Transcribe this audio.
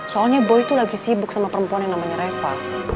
soalnya boy itu lagi sibuk sama perempuan yang namanya reva